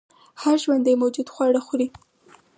هر ژوندی موجود خواړه خوري